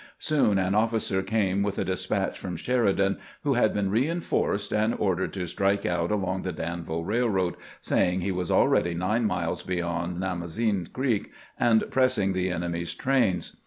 Soon an officer came with a despatch from Sheridan, who had been reinforced and ordered to strike out along the Danville Eailroad, saying he was already nine miles beyond Namozine Creek, and press ing the enemy's trains.